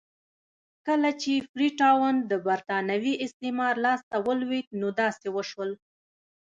کله چې فري ټاون د برېټانوي استعمار لاس ته ولوېد نو داسې وشول.